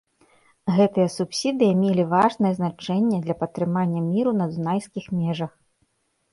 Гэтыя субсідыі мелі важнае значэнне для падтрымання міру на дунайскіх межах.